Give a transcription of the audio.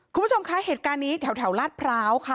คุณผู้ชมคะเหตุการณ์นี้แถวลาดพร้าวค่ะ